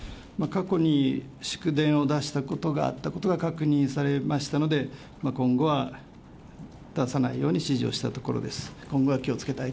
過去に祝電を出したことがあったことが確認されましたので、今後は出さないように指示をしたところです。